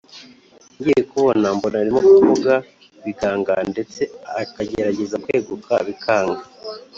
ngiye kubona mbona arimo gushaka kuvuga biganga ndetse akagerageza kweguka bikanga,